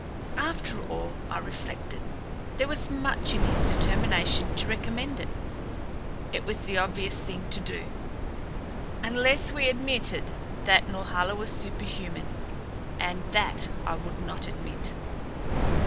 After all, I reflected, there was much in his determination to recommend it. It was the obvious thing to do unless we admitted that Norhala was superhuman; and that I would not admit.